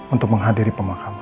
untuk menghadiri pemakaman